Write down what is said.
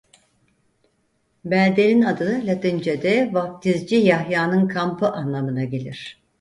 Beldenin adı Latincede "Vaftizci Yahya'nın kampı" anlamına gelir.